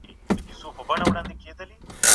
مطالعه بايد د ټولني د فرهنګي غنا لپاره وي.